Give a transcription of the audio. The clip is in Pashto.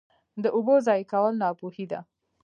د اوبو ضایع کول ناپوهي ده.